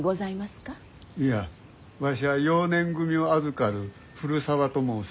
いやわしは幼年組を預かる古沢と申す。